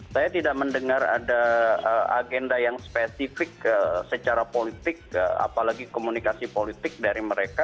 saya tidak mendengar ada agenda yang spesifik secara politik apalagi komunikasi politik dari mereka